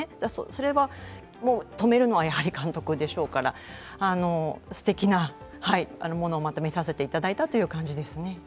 それは止めるのはやはり監督ですからすてきなものをまた見させていただいたという感じですね。